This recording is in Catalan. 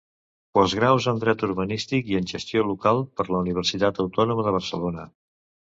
Postgraus en Dret Urbanístic i en Gestió Local per la Universitat Autònoma de Barcelona.